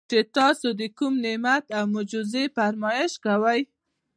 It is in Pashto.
چې تاسي د کوم نعمت او معجزې فرمائش کوئ